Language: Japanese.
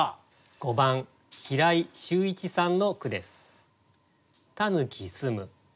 ５番平井修一さんの句です。